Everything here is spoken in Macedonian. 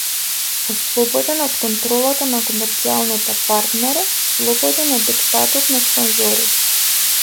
Ослободен од контролата на комерцијалните партнери, слободен од диктатот на спонзорите.